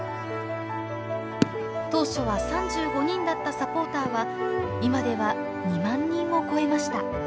当初は３５人だったサポーターは今では２万人を超えました。